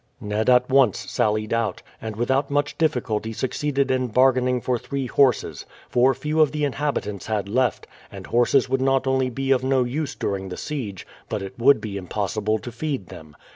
Ned at once sallied out, and without much difficulty succeeded in bargaining for three horses; for few of the inhabitants had left, and horses would not only be of no use during the siege, but it would be impossible to feed them.